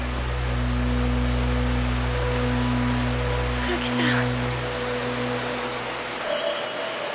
古木さん。